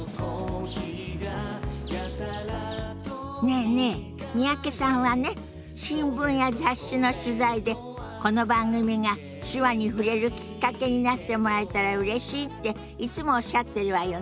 ねえねえ三宅さんはね新聞や雑誌の取材でこの番組が手話に触れるきっかけになってもらえたらうれしいっていつもおっしゃってるわよね。